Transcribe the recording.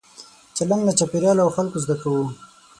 چلند له چاپېریال او خلکو زده کوو.